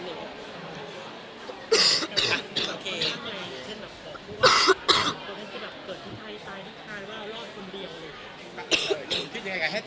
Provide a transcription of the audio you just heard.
แต่มันคือก็เกิดที่ใครเป็นสามารถ